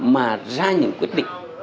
mà ra những quyết định